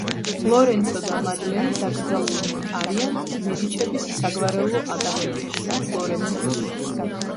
ლორენცო და მადლენი დაკრძალულნი არიან მედიჩების საგვარეულო აკლდამაში, ფლორენციაში.